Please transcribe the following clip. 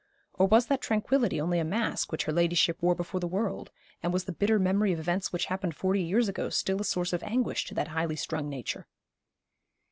Or was that tranquillity only a mask which her ladyship wore before the world: and was the bitter memory of events which happened forty years ago still a source of anguish to that highly strung nature?